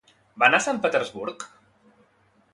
Va anar a Sant Petersburg?